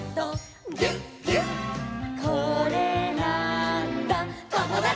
「これなーんだ『ともだち！』」